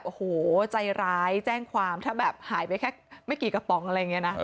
โอ้โหใจร้ายแจ้งความถ้าแบบหายไปแค่ไม่กี่กระป๋องอะไรอย่างนี้นะ